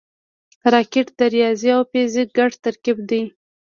راکټ د ریاضي او فزیک ګډ ترکیب دی